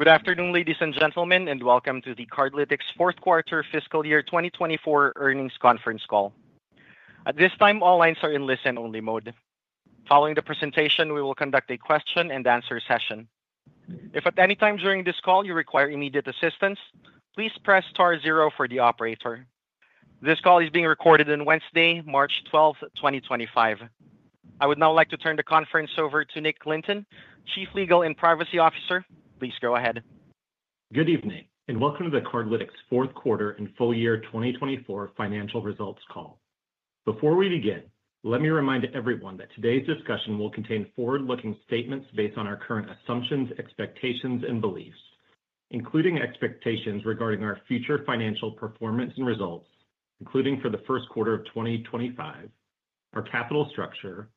Good afternoon, ladies and gentlemen, and welcome to the Cardlytics Fourth Quarter Fiscal Year 2024 Earnings Conference Call. At this time, all lines are in listen-only mode. Following the presentation, we will conduct a question-and-answer session. If at any time during this call you require immediate assistance, please press *0 for the operator. This call is being recorded on Wednesday, March 12, 2025. I would now like to turn the conference over to Nick Lynton, Chief Legal and Privacy Officer. Please go ahead. Good evening, and welcome to the Cardlytics Fourth Quarter and Full Year 2024 Financial Results Call. Before we begin, let me remind everyone that today's discussion will contain forward-looking statements based on our current assumptions, expectations, and beliefs, including expectations regarding our future financial performance and results, including for the first quarter of 2025, our capital structure,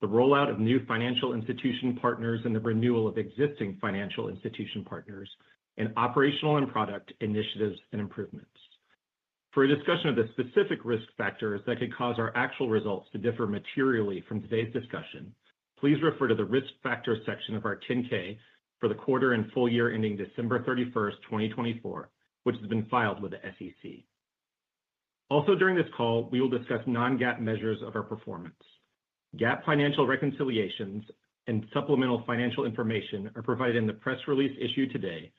the rollout of new financial institution partners and the renewal of existing financial institution partners, and operational and product initiatives and improvements. For a discussion of the specific risk factors that could cause our actual results to differ materially from today's discussion, please refer to the Risk Factors section of our 10-K for the quarter and full year ending December 31, 2024, which has been filed with the SEC. Also, during this call, we will discuss non-GAAP measures of our performance. GAAP financial reconciliations and supplemental financial information are provided in the press release issued today,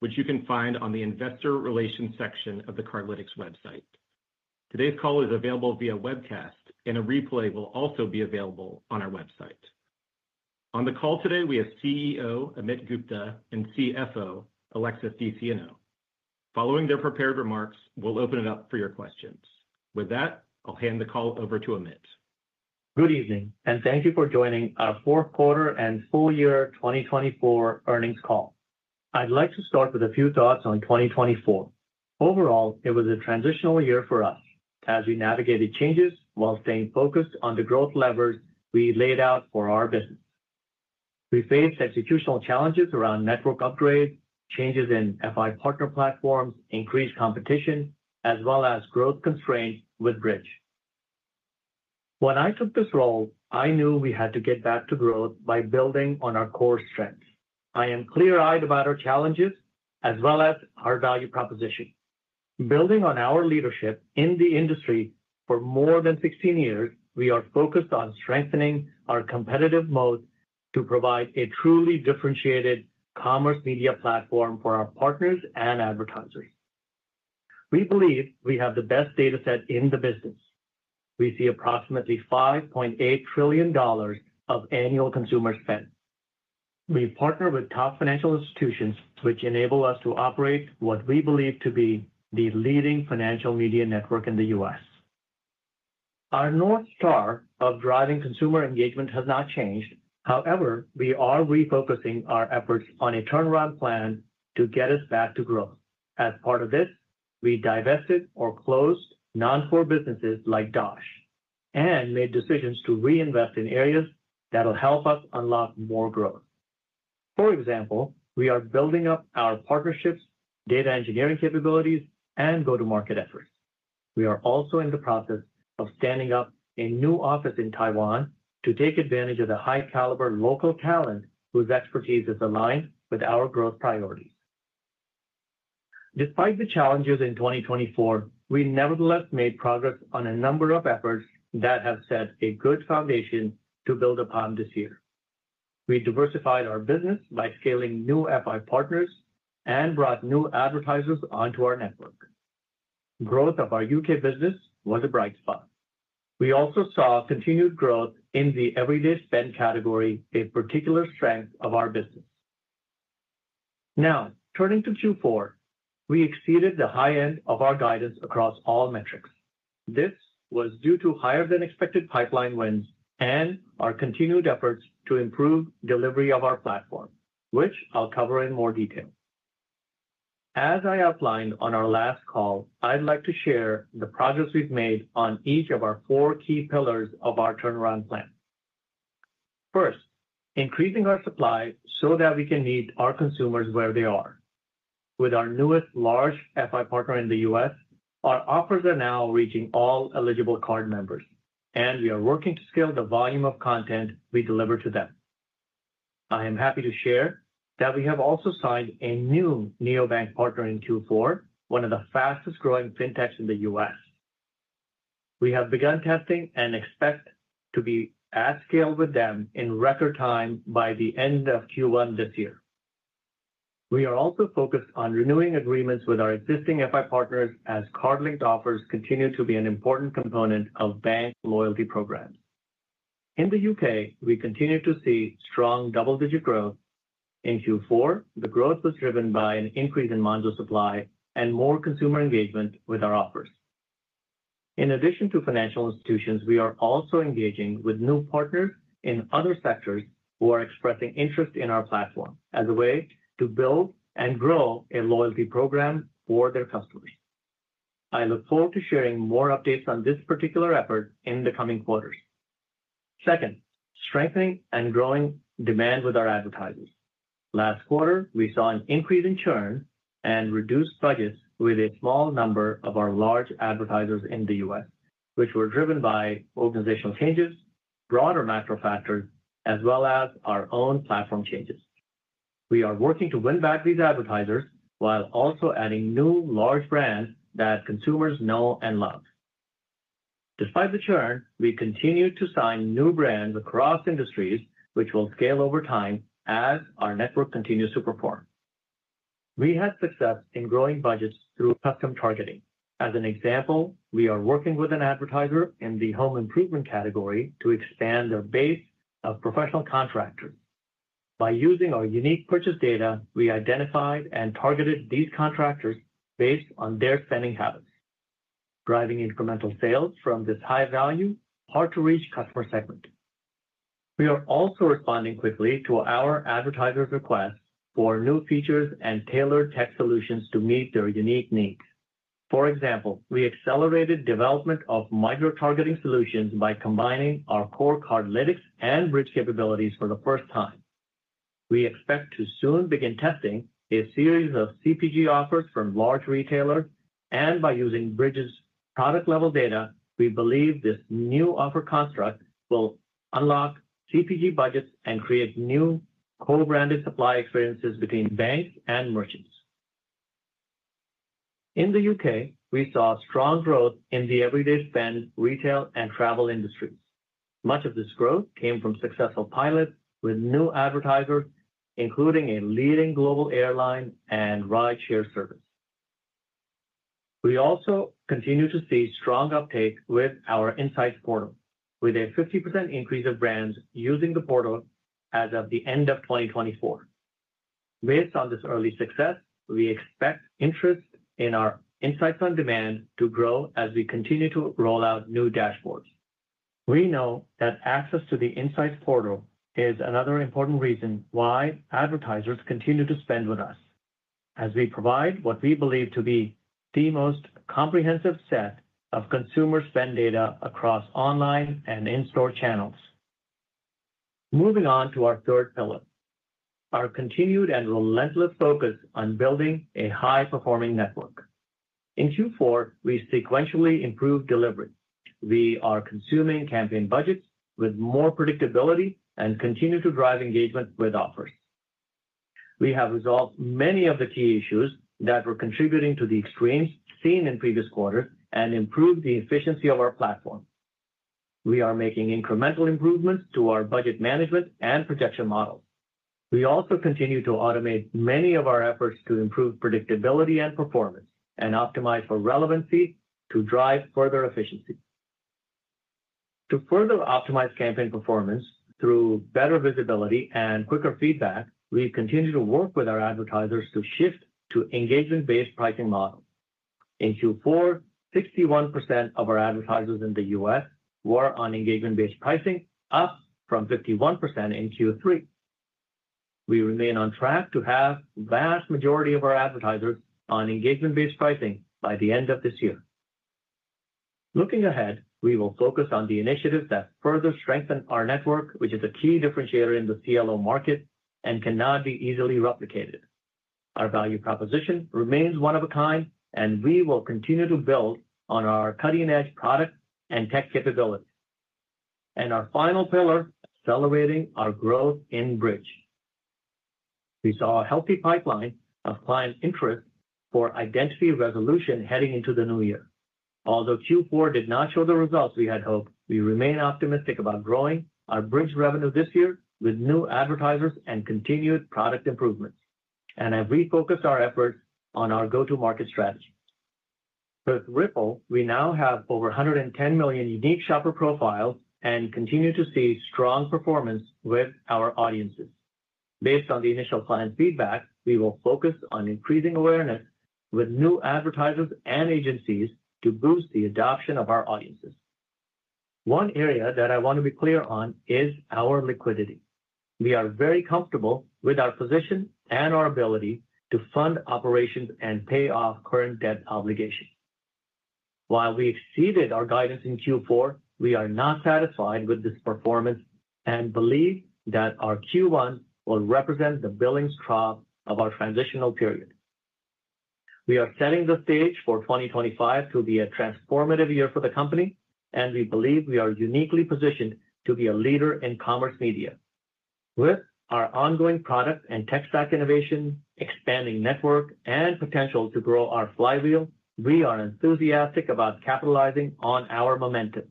which you can find on the Investor Relations section of the Cardlytics website. Today's call is available via webcast, and a replay will also be available on our website. On the call today, we have CEO, Amit Gupta and CFO, Alexis DeSieno. Following their prepared remarks, we'll open it up for your questions. With that, I'll hand the call over to Amit. Good evening, and thank you for joining our Fourth Quarter and Full Year 2024 Earnings Call. I'd like to start with a few thoughts on 2024. Overall, it was a transitional year for us as we navigated changes while staying focused on the growth levers we laid out for our business. We faced executional challenges around network upgrades, changes in FI partner platforms, increased competition, as well as growth constraints with Bridge. When I took this role, I knew we had to get back to growth by building on our core strengths. I am clear-eyed about our challenges as well as our value proposition. Building on our leadership in the industry for more than 16 years, we are focused on strengthening our competitive moat to provide a truly differentiated commerce media platform for our partners and advertisers. We believe we have the best data set in the business. We see approximately $5.8 trillion of annual consumer spend. We partner with top financial institutions, which enable us to operate what we believe to be the leading financial media network in the U.S. Our North Star of driving consumer engagement has not changed. However, we are refocusing our efforts on a turnaround plan to get us back to growth. As part of this, we divested or closed non-core businesses like Dosh and made decisions to reinvest in areas that will help us unlock more growth. For example, we are building up our partnerships, data engineering capabilities, and go-to-market efforts. We are also in the process of standing up a new office in Taiwan to take advantage of the high-caliber local talent whose expertise is aligned with our growth priorities. Despite the challenges in 2024, we nevertheless made progress on a number of efforts that have set a good foundation to build upon this year. We diversified our business by scaling new FI partners and brought new advertisers onto our network. Growth of our U.K. business was a bright spot. We also saw continued growth in the everyday spend category, a particular strength of our business. Now, turning to Q4, we exceeded the high end of our guidance across all metrics. This was due to higher-than-expected pipeline wins and our continued efforts to improve delivery of our platform, which I'll cover in more detail. As I outlined on our last call, I'd like to share the progress we've made on each of our four key pillars of our turnaround plan. First, increasing our supply so that we can meet our consumers where they are. With our newest large FI partner in the U.S., our offers are now reaching all eligible card members, and we are working to scale the volume of content we deliver to them. I am happy to share that we have also signed a new neobank partner in Q4, one of the fastest-growing fintechs in the U.S. We have begun testing and expect to be at scale with them in record time by the end of Q1 this year. We are also focused on renewing agreements with our existing FI partners as Cardlytics offers continue to be an important component of bank loyalty programs. In the U.K., we continue to see strong double-digit growth. In Q4, the growth was driven by an increase in manager supply and more consumer engagement with our offers. In addition to financial institutions, we are also engaging with new partners in other sectors who are expressing interest in our platform as a way to build and grow a loyalty program for their customers. I look forward to sharing more updates on this particular effort in the coming quarters. Second, strengthening and growing demand with our advertisers. Last quarter, we saw an increase in churn and reduced budgets with a small number of our large advertisers in the U.S., which were driven by organizational changes, broader macro factors, as well as our own platform changes. We are working to win back these advertisers while also adding new large brands that consumers know and love. Despite the churn, we continue to sign new brands across industries, which will scale over time as our network continues to perform. We had success in growing budgets through custom targeting. As an example, we are working with an advertiser in the home improvement category to expand the base of professional contractors. By using our unique purchase data, we identified and targeted these contractors based on their spending habits, driving incremental sales from this high-value, hard-to-reach customer segment. We are also responding quickly to our advertisers' requests for new features and tailored tech solutions to meet their unique needs. For example, we accelerated development of micro-targeting solutions by combining our core Cardlytics and Bridg capabilities for the first time. We expect to soon begin testing a series of CPG offers from large retailers, and by using Bridg's product-level data, we believe this new offer construct will unlock CPG budgets and create new co-branded supply experiences between banks and merchants. In the U.K., we saw strong growth in the everyday spend, retail, and travel industries. Much of this growth came from successful pilots with new advertisers, including a leading global airline and rideshare service. We also continue to see strong uptake with our Insights portal, with a 50%, increase of brands using the portal as of the end of 2024. Based on this early success, we expect interest in our Insights on Demand to grow as we continue to roll out new dashboards. We know that access to the Insights portal is another important reason why advertisers continue to spend with us, as we provide what we believe to be the most comprehensive set of consumer spend data across online and in-store channels. Moving on to our third pillar, our continued and relentless focus on building a high-performing network. In Q4, we sequentially improved delivery. We are consuming campaign budgets with more predictability and continue to drive engagement with offers. We have resolved many of the key issues that were contributing to the extremes seen in previous quarters and improved the efficiency of our platform. We are making incremental improvements to our budget management and projection models. We also continue to automate many of our efforts to improve predictability and performance and optimize for relevancy to drive further efficiency. To further optimize campaign performance through better visibility and quicker feedback, we continue to work with our advertisers to shift to engagement-based pricing models. In Q4, 61%, of our advertisers in the U.S. were on engagement-based pricing, up from 51%, in Q3. We remain on track to have the vast majority of our advertisers on engagement-based pricing by the end of this year. Looking ahead, we will focus on the initiatives that further strengthen our network, which is a key differentiator in the CLO market and cannot be easily replicated. Our value proposition remains one of a kind, and we will continue to build on our cutting-edge product and tech capabilities. Our final pillar, accelerating our growth in Bridg. We saw a healthy pipeline of client interest for identity resolution heading into the new year. Although Q4 did not show the results we had hoped, we remain optimistic about growing our Bridg revenue this year with new advertisers and continued product improvements, and have refocused our efforts on our go-to-market strategy. With Ripple, we now have over 110 million, unique shopper profiles and continue to see strong performance with our audiences. Based on the initial client feedback, we will focus on increasing awareness with new advertisers and agencies to boost the adoption of our audiences. One area that I want to be clear on is our liquidity. We are very comfortable with our position and our ability to fund operations and pay off current debt obligations. While we exceeded our guidance in Q4, we are not satisfied with this performance and believe that our Q1 will represent the billings crop of our transitional period. We are setting the stage for 2025 to be a transformative year for the company, and we believe we are uniquely positioned to be a leader in commerce media. With our ongoing product and tech stack innovation, expanding network, and potential to grow our flywheel, we are enthusiastic about capitalizing on our momentum.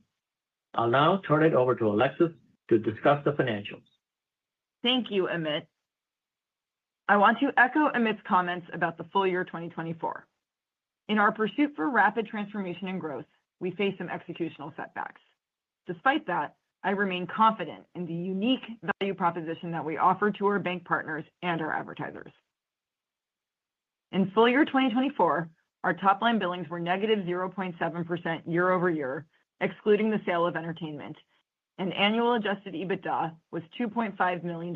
I'll now turn it over to Alexis to discuss the financials. Thank you, Amit. I want to echo Amit's comments about the full year 2024. In our pursuit for rapid transformation and growth, we face some executional setbacks. Despite that, I remain confident in the unique value proposition that we offer to our bank partners and our advertisers. In full year 2024, our top-line billings were negative 0.7%, year-over-year, excluding the sale of entertainment. An annual adjusted EBITDA, was $2.5 million,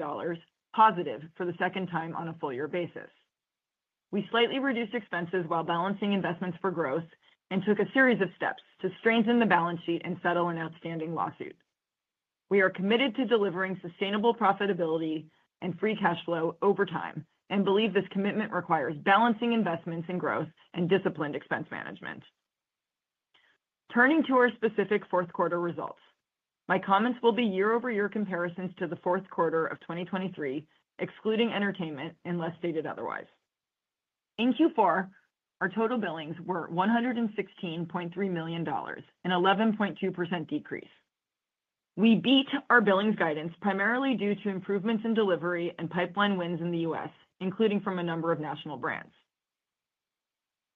positive for the second time on a full-year basis. We slightly reduced expenses while balancing investments for growth and took a series of steps to strengthen the balance sheet and settle an outstanding lawsuit. We are committed to delivering sustainable profitability and free cash flow over time and believe this commitment requires balancing investments in growth and disciplined expense management. Turning to our specific fourth-quarter results, my comments will be year-over-year comparisons to the fourth quarter of 2023, excluding entertainment, unless stated otherwise. In Q4, our total billings were $116.3 million, and an 11.2% decrease. We beat our billings guidance primarily due to improvements in delivery and pipeline wins in the U.S., including from a number of national brands.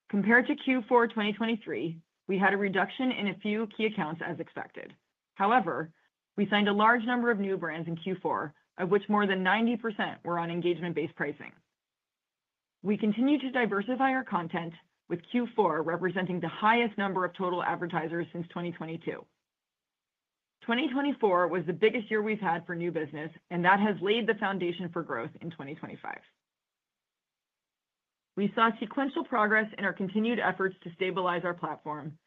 Compared to Q4 2023, we had a reduction in a few key accounts as expected. However, we signed a large number of new brands in Q4, of which more than 90%, were on engagement-based pricing. We continue to diversify our content, with Q4 representing the highest number of total advertisers since 2022. 2024 was the biggest year we've had for new business, and that has laid the foundation for growth in 2025. We saw sequential progress in our continued efforts to stabilize our platform,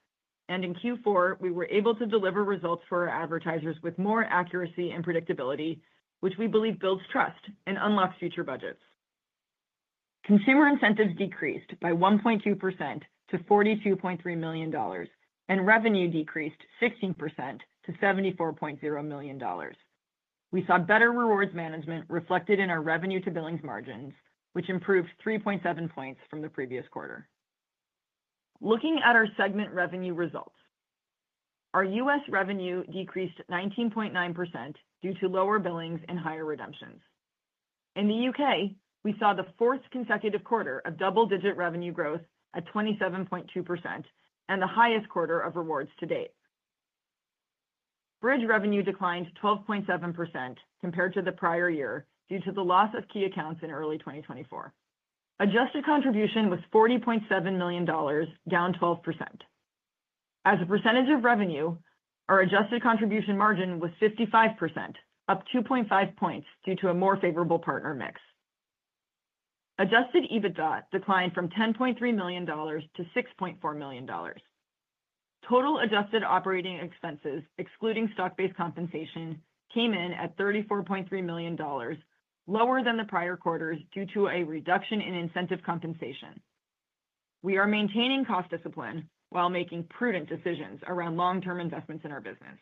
and in Q4, we were able to deliver results for our advertisers with more accuracy and predictability, which we believe builds trust and unlocks future budgets. Consumer incentives decreased by 1.2%, to $42.3 million, and revenue decreased 16%, to $74.0 million. We saw better rewards management reflected in our revenue-to-billings margins, which improved 3.7 percentage points, from the previous quarter. Looking at our segment revenue results, our U.S. revenue decreased 19.9%, due to lower billings and higher redemptions. In the U.K., we saw the fourth consecutive quarter of double-digit revenue growth at 27.2%, and the highest quarter of rewards to date. Bridg revenue declined 12.7%, compared to the prior year due to the loss of key accounts in early 2024. Adjusted Contribution, was $40.7 million, down 12%. As a percentage of revenue, our adjusted contribution margin, was 55%, up 2.5 percentage points, due to a more favorable partner mix. Adjusted EBITDA, declined from $10.3 million to $6.4 million. Total adjusted operating expenses, excluding stock-based compensation, came in at $34.3 million, lower than the prior quarters due to a reduction in incentive compensation. We are maintaining cost discipline while making prudent decisions around long-term investments in our business.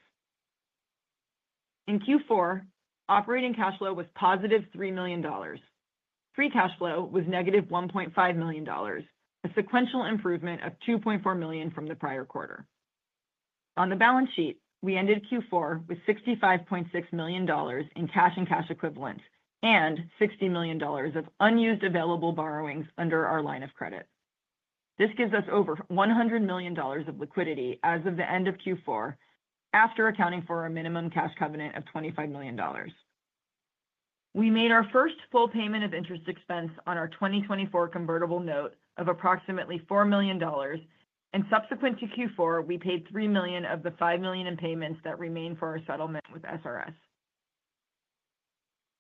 In Q4, operating cash flow, was positive $3 million. Free cash flow, was negative $1.5 million, a sequential improvement of $2.4 million, from the prior quarter. On the balance sheet, we ended Q4 with $65.6 million, in cash and cash equivalents, and $60 million, of unused available borrowings under our line of credit. This gives us over $100 million, of liquidity as of the end of Q4, after accounting for a minimum cash covenant of $25 million. We made our first full payment of interest expense on our 2024 convertible note of approximately $4 million, and subsequent to Q4, we paid $3 million of the $5 million, in payments that remain for our settlement with SRS.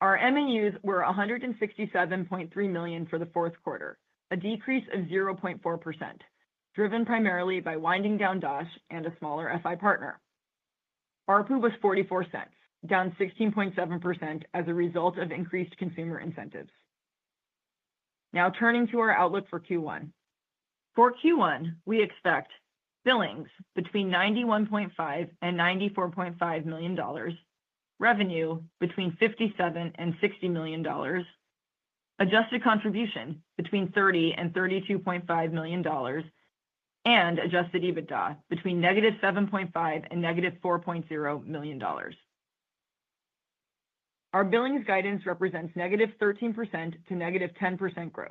Our MAUs were $167.3 million, for the fourth quarter, a decrease of 0.4%, driven primarily by winding down DOSH and a smaller FI partner. ARPU was $0.44, down 16.7%, as a result of increased consumer incentives. Now turning to our outlook for Q1. For Q1, we expect billings between $91.5 million and $94.5 million, revenue between $57 million and $60 million, adjusted contribution, between $30 million and $32.5 million, and adjusted EBITDA, between negative $7.5 million and negative $4.0 million. Our billings guidance represents negative 13%, to negative 10% growth.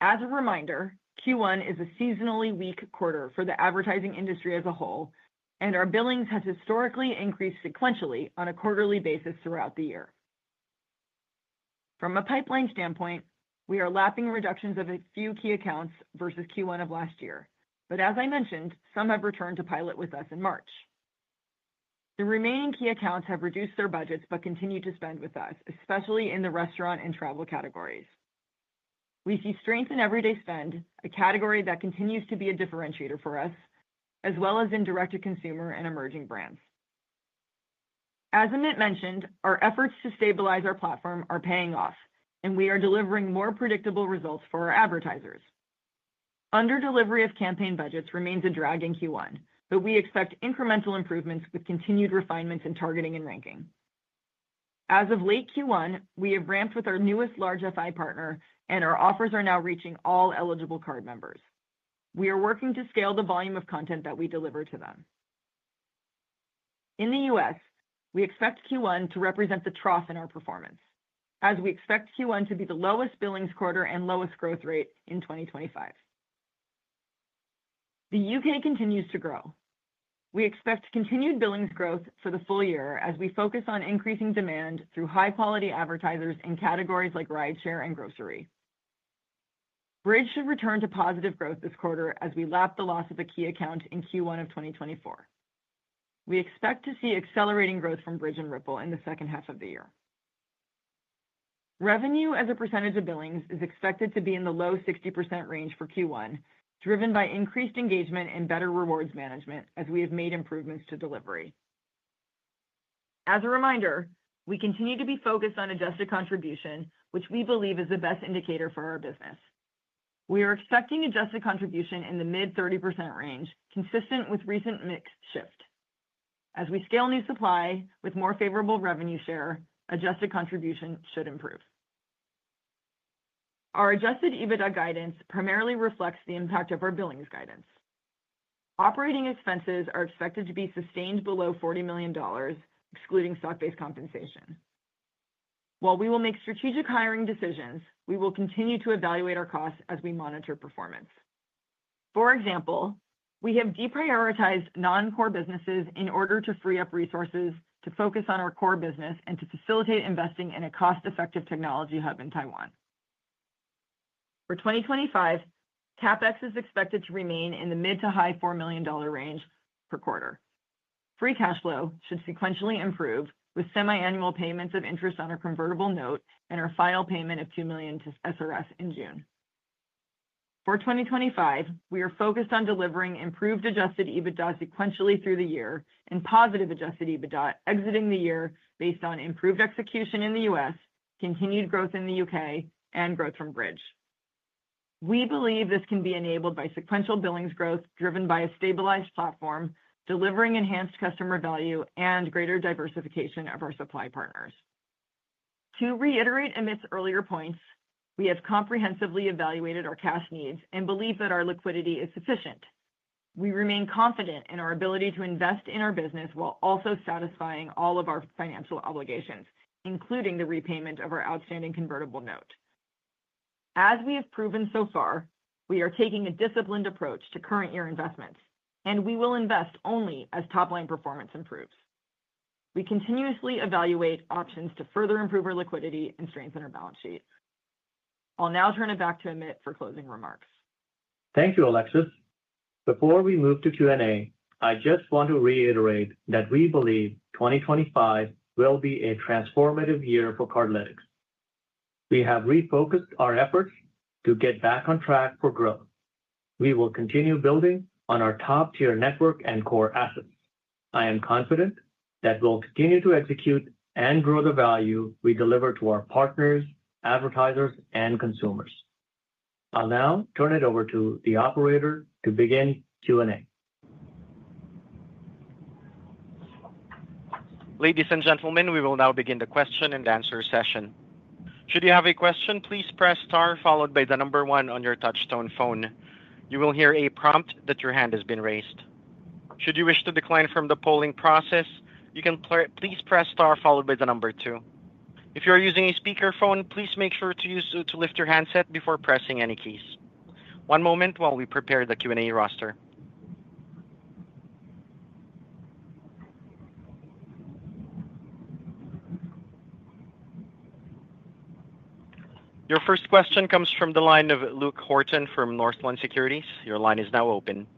As a reminder, Q1 is a seasonally weak quarter for the advertising industry as a whole, and our billings have historically increased sequentially on a quarterly basis throughout the year. From a pipeline standpoint, we are lapping reductions of a few key accounts versus Q1 of last year, but as I mentioned, some have returned to pilot with us in March. The remaining key accounts have reduced their budgets but continue to spend with us, especially in the restaurant and travel categories. We see strength in everyday spend, a category that continues to be a differentiator for us, as well as in direct-to-consumer and emerging brands. As Amit mentioned, our efforts to stabilize our platform are paying off, and we are delivering more predictable results for our advertisers. Under-delivery of campaign budgets remains a drag in Q1, but we expect incremental improvements with continued refinements in targeting and ranking. As of late Q1, we have ramped with our newest large FI partner, and our offers are now reaching all eligible card members. We are working to scale the volume of content that we deliver to them. In the U.S., we expect Q1 to represent the trough in our performance, as we expect Q1 to be the lowest billings quarter and lowest growth rate in 2025. The U.K. continues to grow. We expect continued billings growth for the full year as we focus on increasing demand through high-quality advertisers in categories like rideshare and grocery. Bridg should return to positive growth this quarter as we lap the loss of a key account in Q1 of 2024. We expect to see accelerating growth from Bridg and Ripple in the second half of the year. Revenue as a percentage of billings is expected to be in the low 60%, range for Q1, driven by increased engagement and better rewards management as we have made improvements to delivery. As a reminder, we continue to be focused on adjusted contribution, which we believe is the best indicator for our business. We are expecting adjusted contribution in the mid-30% range, consistent with recent mix shift. As we scale new supply with more favorable revenue share, adjusted contribution should improve. Our adjusted EBITDA, guidance primarily reflects the impact of our billings guidance. Operating expenses are expected to be sustained below $40 million, excluding stock-based compensation. While we will make strategic hiring decisions, we will continue to evaluate our costs as we monitor performance. For example, we have deprioritized non-core businesses in order to free up resources to focus on our core business and to facilitate investing in a cost-effective technology hub in Taiwan. For 2025, CapEx is expected to remain in the mid to high $4 million, range per quarter. Free cash flow, should sequentially improve, with semiannual payments of interest on our convertible note and our final payment of $2 million to SRS, in June. For 2025, we are focused on delivering improved adjusted EBITDA, sequentially through the year and positive adjusted EBITDA, exiting the year based on improved execution in the U.S., continued growth in the U.K., and growth from Bridg. We believe this can be enabled by sequential billings growth driven by a stabilized platform, delivering enhanced customer value and greater diversification of our supply partners. To reiterate Amit's earlier points, we have comprehensively evaluated our cash needs and believe that our liquidity is sufficient. We remain confident in our ability to invest in our business while also satisfying all of our financial obligations, including the repayment of our outstanding convertible note. As we have proven so far, we are taking a disciplined approach to current-year investments, and we will invest only as top-line performance improves. We continuously evaluate options to further improve our liquidity and strengthen our balance sheet. I'll now turn it back to Amit for closing remarks. Thank you, Alexis. Before we move to Q&A, I just want to reiterate that we believe 2025 will be a transformative year for Cardlytics. We have refocused our efforts to get back on track for growth. We will continue building on our top-tier network and core assets. I am confident that we'll continue to execute and grow the value we deliver to our partners, advertisers, and consumers. I'll now turn it over to the operator to begin Q&A. Ladies and gentlemen, we will now begin the question and answer session. Should you have a question, please press star followed by the number one on your touch-tone phone. You will hear a prompt that your hand has been raised. Should you wish to decline from the polling process, please press star followed by the number two. If you are using a speakerphone, please make sure to lift your handset before pressing any keys. One moment while we prepare the Q&A roster. Your first question comes from the line of Luke Horton, from Northland Securities. Your line is now open.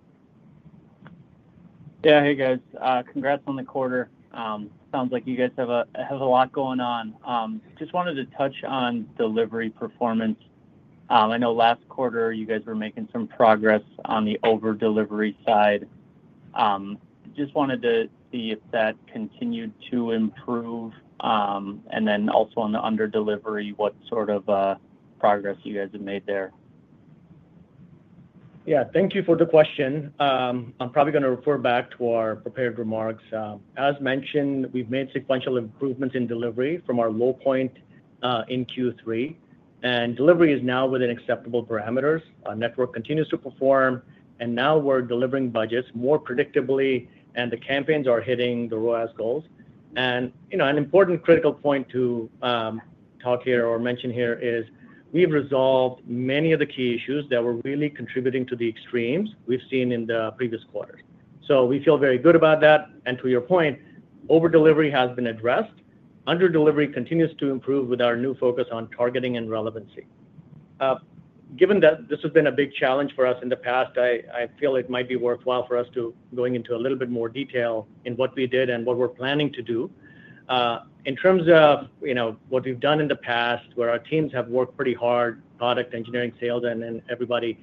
Yeah, hey, guys. Congrats on the quarter. Sounds like you guys have a lot going on. Just wanted to touch on delivery performance. I know last quarter you guys were making some progress on the over-delivery side. Just wanted to see if that continued to improve. Also on the under-delivery, what sort of progress you guys have made there. Yeah, thank you for the question. I'm probably going to refer back to our prepared remarks. As mentioned, we've made sequential improvements in delivery from our low point in Q3. Delivery is now within acceptable parameters. Our network continues to perform. We are now delivering budgets more predictably, and the campaigns are hitting the road as goals. An important critical point to mention here is we've resolved many of the key issues that were really contributing to the extremes we've seen in the previous quarters. We feel very good about that. To your point, over-delivery has been addressed. Under-delivery continues to improve with our new focus on targeting and relevancy. Given that this has been a big challenge for us in the past, I feel it might be worthwhile for us to go into a little bit more detail in what we did and what we're planning to do. In terms of what we've done in the past, where our teams have worked pretty hard, product engineering, sales, and everybody,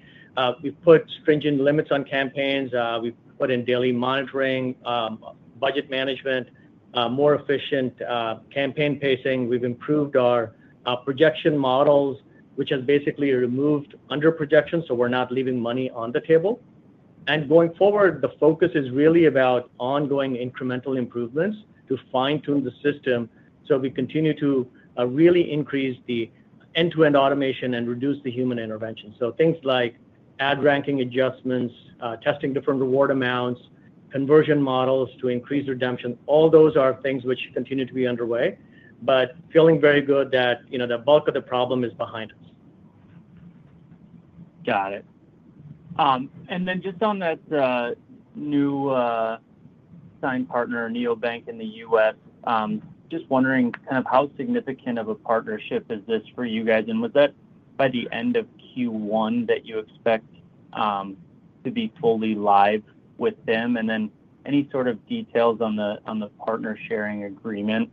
we've put stringent limits on campaigns. We've put in daily monitoring, budget management, more efficient campaign pacing. We've improved our projection models, which has basically removed under-projection, so we're not leaving money on the table. Going forward, the focus is really about ongoing incremental improvements to fine-tune the system so we continue to really increase the end-to-end automation and reduce the human intervention. Things like ad ranking adjustments, testing different reward amounts, conversion models to increase redemption, all those are things which continue to be underway. Feeling very good that the bulk of the problem is behind us. Got it. Just on that new signed partner, neobank in the U.S., just wondering kind of how significant of a partnership is this for you guys? Was that by the end of Q1 that you expect to be fully live with them? Any sort of details on the partner sharing agreement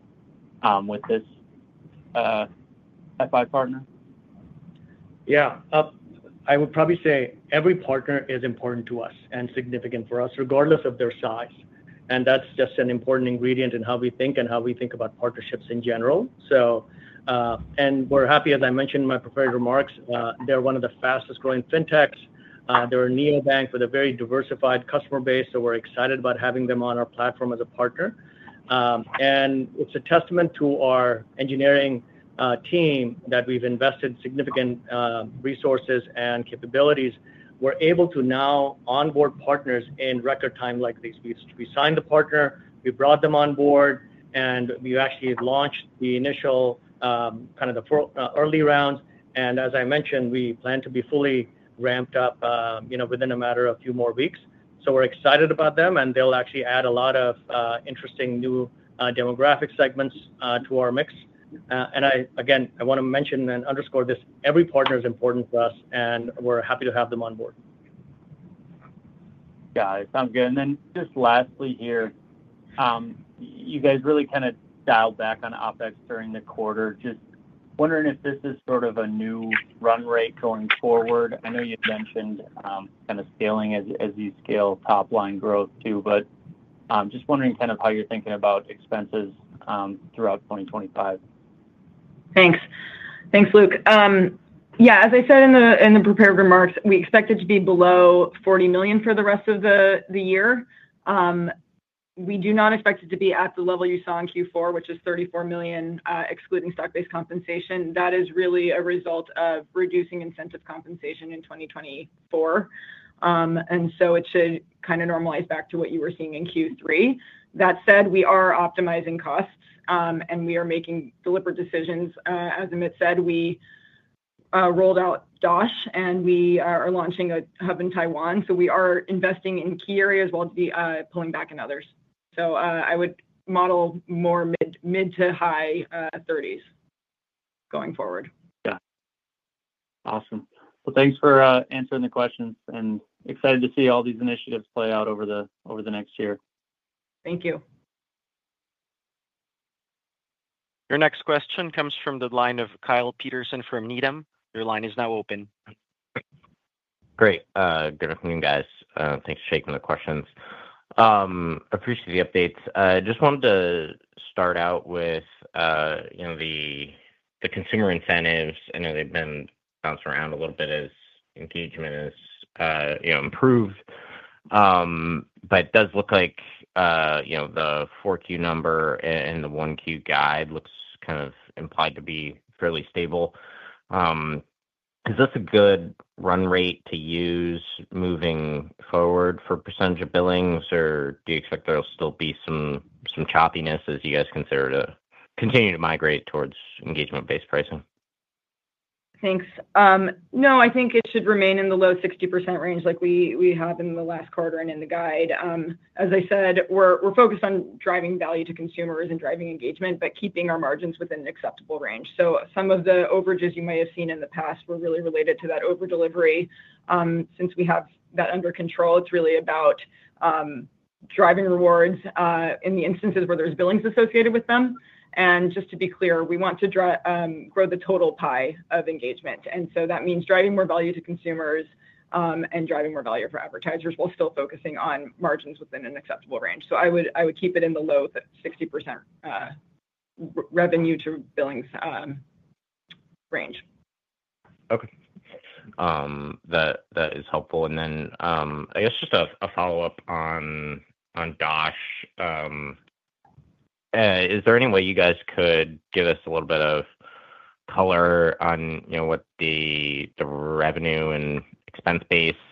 with this FI partner? Yeah. I would probably say every partner is important to us and significant for us, regardless of their size. That is just an important ingredient in how we think and how we think about partnerships in general. We are happy, as I mentioned in my prepared remarks, they are one of the fastest-growing fintechs. They are a neobank with a very diversified customer base, so we are excited about having them on our platform as a partner. It is a testament to our engineering team that we have invested significant resources and capabilities. We are able to now onboard partners in record time like these. We signed the partner, we brought them on board, and we actually launched the initial kind of the early rounds. As I mentioned, we plan to be fully ramped up within a matter of a few more weeks. We're excited about them, and they'll actually add a lot of interesting new demographic segments to our mix. Again, I want to mention and underscore this, every partner is important for us, and we're happy to have them on board. Got it. Sounds good. Just lastly here, you guys really kind of dialed back on OpEx, during the quarter. Just wondering if this is sort of a new run rate going forward. I know you mentioned kind of scaling as you scale top-line growth too, but just wondering kind of how you're thinking about expenses throughout 2025. Thanks. Thanks, Luke. Yeah, as I said in the prepared remarks, we expect it to be below $40 million, for the rest of the year. We do not expect it to be at the level you saw in Q4, which is $34 million, excluding stock-based compensation. That is really a result of reducing incentive compensation in 2024. It should kind of normalize back to what you were seeing in Q3. That said, we are optimizing costs, and we are making deliberate decisions. As Amit said, we rolled out DOSH, and we are launching a hub in Taiwan. We are investing in key areas while pulling back in others. I would model more mid to high 30s going forward. Yeah. Awesome. Thanks for answering the questions, and excited to see all these initiatives play out over the next year. Thank you. Your next question comes from the line of Kyle Peterson, from Needham. Your line is now open. Great. Good afternoon, guys. Thanks for taking the questions. Appreciate the updates. Just wanted to start out with the consumer incentives. I know they've been bouncing around a little bit as engagement has improved. It does look like the 4Q number and the 1Q guide looks kind of implied to be fairly stable. Is this a good run rate to use moving forward for percentage of billings, or do you expect there'll still be some choppiness as you guys continue to migrate towards engagement-based pricing? Thanks. No, I think it should remain in the low 60% range, like we have in the last quarter and in the guide. As I said, we're focused on driving value to consumers and driving engagement, but keeping our margins within an acceptable range. Some of the overages you might have seen in the past were really related to that over-delivery. Since we have that under control, it's really about driving rewards in the instances where there's billings associated with them. Just to be clear, we want to grow the total pie of engagement. That means driving more value to consumers and driving more value for advertisers while still focusing on margins within an acceptable range. I would keep it in the low 60%, revenue-to-billings range. Okay. That is helpful. I guess just a follow-up on DOSH. Is there any way you guys could give us a little bit of color on what the revenue and expense base was?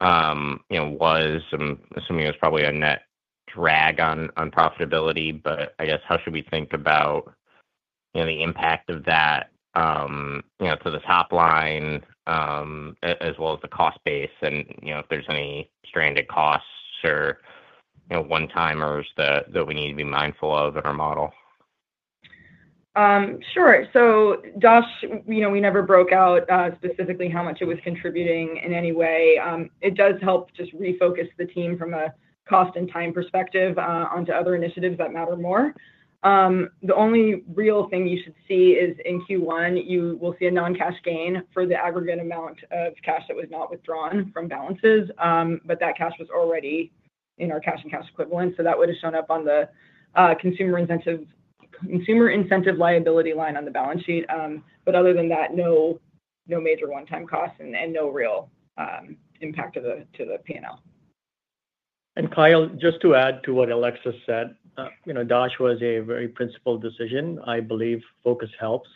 I'm assuming it was probably a net drag on profitability, but I guess how should we think about the impact of that to the top line as well as the cost base and if there's any stranded costs or one-timers that we need to be mindful of in our model? Sure. DOSH, we never broke out specifically how much it was contributing in any way. It does help just refocus the team from a cost and time perspective onto other initiatives that matter more. The only real thing you should see is in Q1, you will see a non-cash gain for the aggregate amount of cash that was not withdrawn from balances, but that cash was already in our cash and cash equivalent. That would have shown up on the consumer incentive liability line on the balance sheet. Other than that, no major one-time costs and no real impact to the P&L. Kyle, just to add to what Alexis said, DOSH was a very principled decision. I believe focus helps.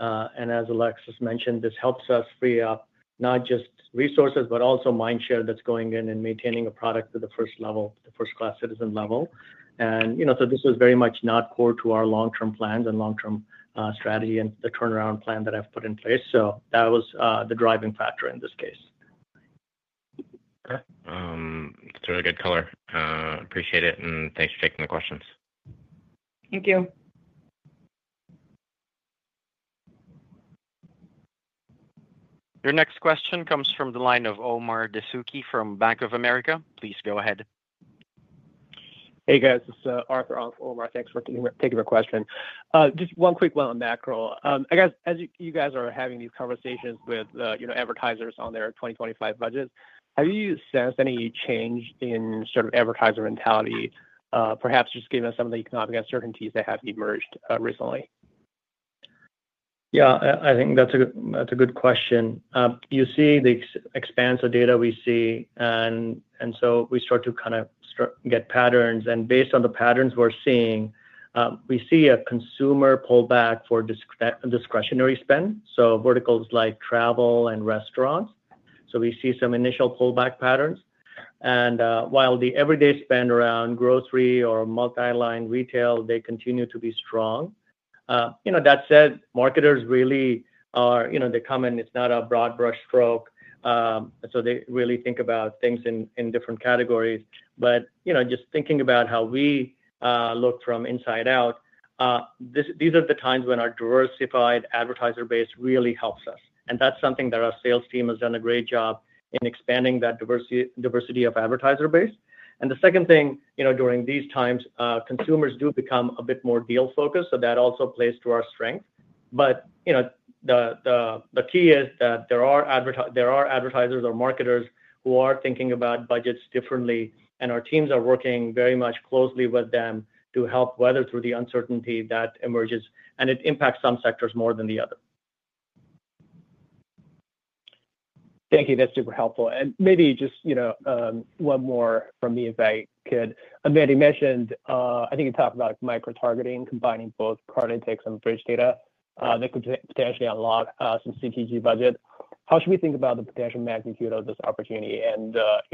As Alexis mentioned, this helps us free up not just resources, but also mind share that is going in and maintaining a product to the first level, the first-class citizen level. This was very much not core to our long-term plans and long-term strategy and the turnaround plan that I have put in place. That was the driving factor in this case. That's a really good color. Appreciate it. Thanks for taking the questions. Thank you. Your next question comes from the line of Omar Dessouky, from Bank of America. Please go ahead. Hey, guys. This is Arthur on for Omar. Thanks for taking the question. Just one quick one on macro. I guess as you guys are having these conversations with advertisers on their 2025 budgets, have you sensed any change in sort of advertiser mentality, perhaps just given some of the economic uncertainties that have emerged recently? Yeah, I think that's a good question. You see the expanse of data we see, and you start to kind of get patterns. Based on the patterns we're seeing, we see a consumer pullback for discretionary spend, verticals like travel and restaurants. We see some initial pullback patterns. While the everyday spend around grocery or multi-line retail continues to be strong. That said, marketers really are, they come in, it's not a broad brush stroke. They really think about things in different categories. Just thinking about how we look from inside out, these are the times when our diversified advertiser base really helps us. That's something that our sales team has done a great job in expanding, that diversity of advertiser base. The second thing, during these times, consumers do become a bit more deal-focused. That also plays to our strength. The key is that there are advertisers or marketers who are thinking about budgets differently, and our teams are working very much closely with them to help weather through the uncertainty that emerges. It impacts some sectors more than the other. Thank you. That's super helpful. Maybe just one more from me if I could. As Amit mentioned, I think you talked about micro-targeting, combining both card intakes and Bridg data that could potentially unlock some CPG budget. How should we think about the potential magnitude of this opportunity?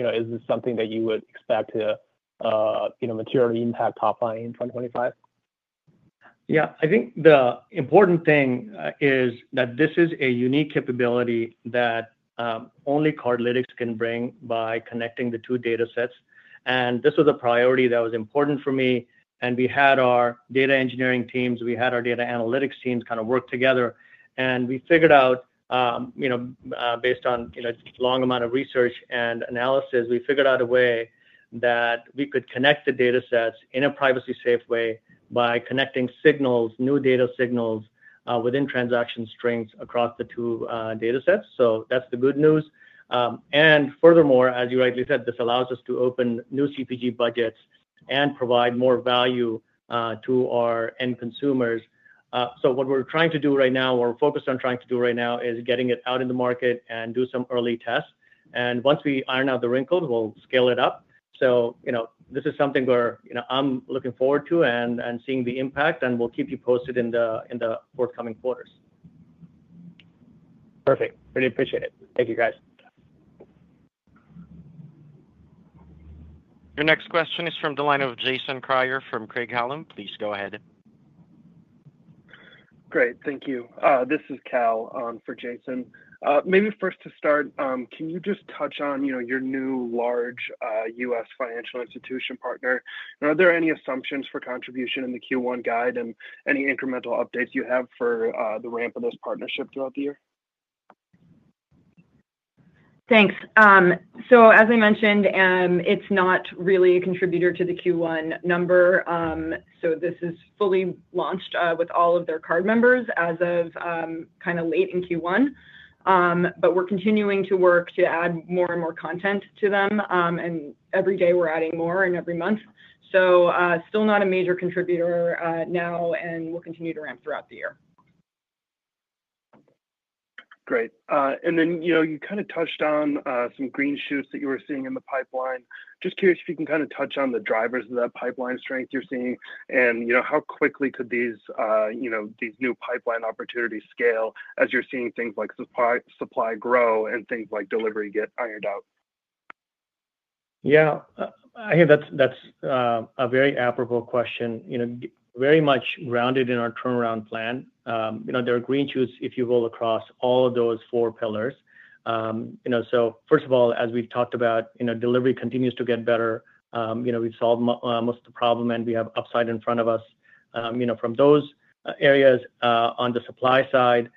Is this something that you would expect to materially impact top line in 2025? Yeah. I think the important thing is that this is a unique capability that only Cardlytics can bring by connecting the two data sets. This was a priority that was important for me. We had our data engineering teams, we had our data analytics teams kind of work together. We figured out, based on a long amount of research and analysis, we figured out a way that we could connect the data sets in a privacy-safe way by connecting signals, new data signals within transaction strings across the two data sets. That's the good news. Furthermore, as you rightly said, this allows us to open new CPG budgets and provide more value to our end consumers. What we're trying to do right now, or focus on trying to do right now, is getting it out in the market and do some early tests. Once we iron out the wrinkles, we'll scale it up. This is something where I'm looking forward to and seeing the impact, and we'll keep you posted in the forthcoming quarters. Perfect. Really appreciate it. Thank you, guys. Your next question is from the line of Jason Kreyer, from Craig-Hallum. Please go ahead. Great. Thank you. This is Cal for Jason. Maybe first to start, can you just touch on your new large U.S. financial institution partner? Are there any assumptions for contribution in the Q1 guide and any incremental updates you have for the ramp of this partnership throughout the year? Thanks. As I mentioned, it's not really a contributor to the Q1 number. This is fully launched with all of their card members as of kind of late in Q1. We're continuing to work to add more and more content to them. Every day we're adding more and every month. Still not a major contributor now, and we'll continue to ramp throughout the year. Great. You kind of touched on some green shoots that you were seeing in the pipeline. Just curious if you can kind of touch on the drivers of that pipeline strength you're seeing and how quickly could these new pipeline opportunities scale as you're seeing things like supply grow and things like delivery get ironed out? Yeah. I think that's a very applicable question, very much grounded in our turnaround plan. There are green shoots if you roll across all of those four pillars. First of all, as we've talked about, delivery continues to get better. We've solved most of the problem, and we have upside in front of us. From those areas on the supply side,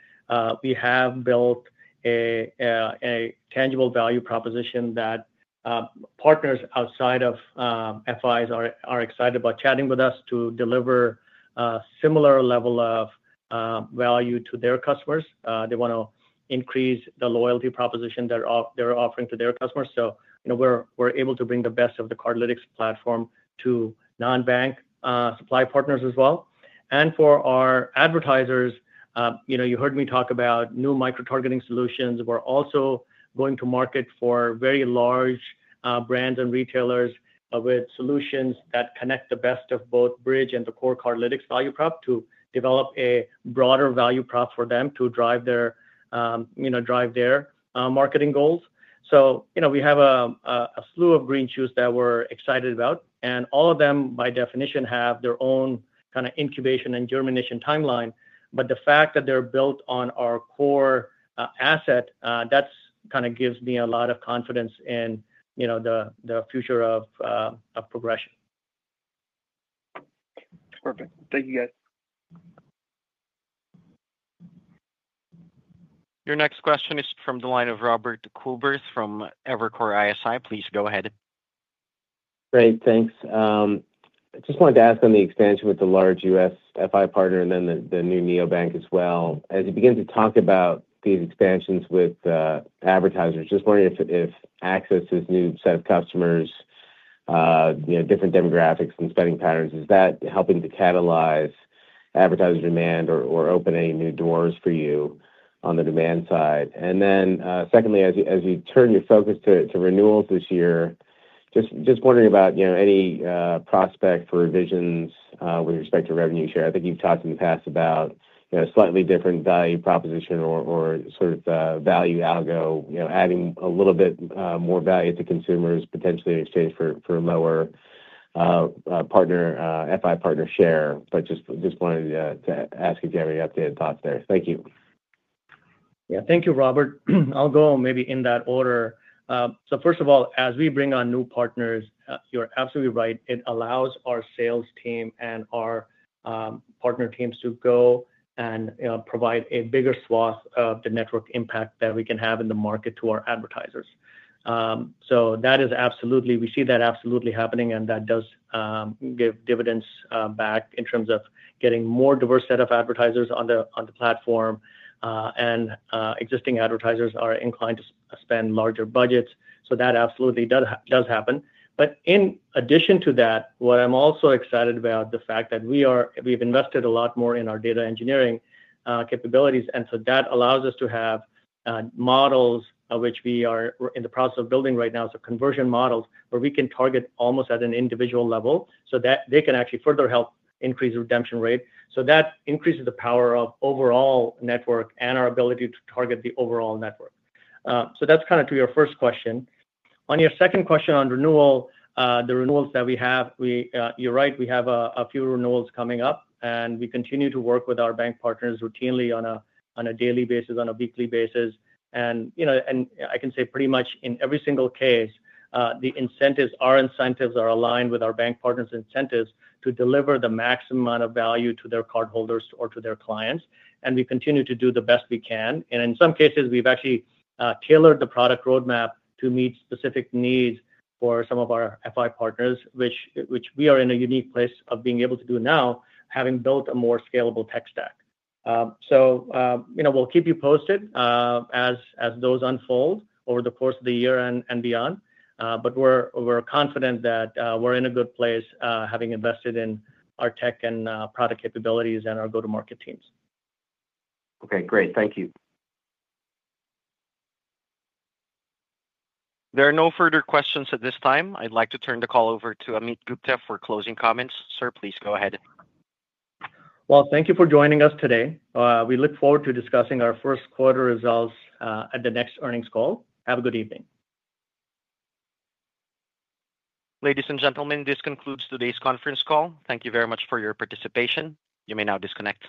we have built a tangible value proposition that partners outside of FIs are excited about chatting with us to deliver a similar level of value to their customers. They want to increase the loyalty proposition they're offering to their customers. We're able to bring the best of the Cardlytics platform to non-bank supply partners as well. For our advertisers, you heard me talk about new micro-targeting solutions. We're also going to market for very large brands and retailers with solutions that connect the best of both Bridg and the core Cardlytics value prop to develop a broader value prop for them to drive their marketing goals. We have a slew of green shoots that we're excited about. All of them, by definition, have their own kind of incubation and germination timeline. The fact that they're built on our core asset, that kind of gives me a lot of confidence in the future of progression. Perfect. Thank you, guys. Your next question is from the line of Robert Coopers, from Evercore ISI. Please go ahead. Great. Thanks. I just wanted to ask on the expansion with the large U.S. FI partner and then the new neobank as well. As you begin to talk about these expansions with advertisers, just wondering if access to this new set of customers, different demographics and spending patterns, is that helping to catalyze advertiser demand or open any new doors for you on the demand side? Secondly, as you turn your focus to renewals this year, just wondering about any prospect for revisions with respect to revenue share. I think you've talked in the past about a slightly different value proposition or sort of value algo, adding a little bit more value to consumers potentially in exchange for a lower partner FI partner share. Just wanted to ask if you have any updated thoughts there. Thank you. Yeah. Thank you, Robert. I'll go maybe in that order. First of all, as we bring on new partners, you're absolutely right. It allows our sales team and our partner teams to go and provide a bigger swath of the network impact that we can have in the market to our advertisers. That is absolutely, we see that absolutely happening, and that does give dividends back in terms of getting a more diverse set of advertisers on the platform. Existing advertisers are inclined to spend larger budgets. That absolutely does happen. In addition to that, what I'm also excited about is the fact that we've invested a lot more in our data engineering capabilities. That allows us to have models which we are in the process of building right now, conversion models where we can target almost at an individual level so that they can actually further help increase redemption rate. That increases the power of overall network and our ability to target the overall network. That is kind of to your first question. On your second question on renewal, the renewals that we have, you're right, we have a few renewals coming up. We continue to work with our bank partners routinely on a daily basis, on a weekly basis. I can say pretty much in every single case, the incentives are aligned with our bank partners' incentives to deliver the maximum amount of value to their cardholders or to their clients. We continue to do the best we can. In some cases, we've actually tailored the product roadmap to meet specific needs for some of our FI partners, which we are in a unique place of being able to do now, having built a more scalable tech stack. We will keep you posted as those unfold over the course of the year and beyond. We are confident that we're in a good place having invested in our tech and product capabilities and our go-to-market teams. Okay. Great. Thank you. There are no further questions at this time. I'd like to turn the call over to Amit Gupta, for closing comments. Sir, please go ahead. Thank you for joining us today. We look forward to discussing our first quarter results at the next earnings call. Have a good evening. Ladies and gentlemen, this concludes today's conference call. Thank you very much for your participation. You may now disconnect.